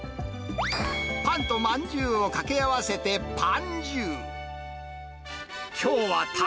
パンとまんじゅうを掛け合わせて、ぱんじゅう。